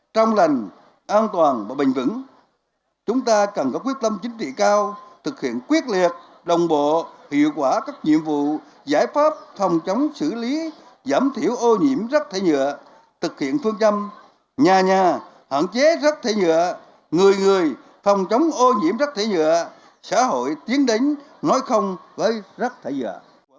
trong lành an toàn và bình vững chúng ta cần có quyết tâm chính trị cao thực hiện quyết liệt đồng bộ hiệu quả các nhiệm vụ giải pháp phòng chống xử lý giảm thiểu ô nhiễm rác thải nhựa thực hiện phương châm nhà nhà hạn chế rác thải nhựa người người phòng chống ô nhiễm rác thải nhựa xã hội tiến đánh nói không với rác thải nhựa